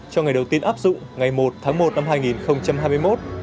cho ngày đầu tiên áp dụng ngày một tháng một năm hai nghìn hai mươi một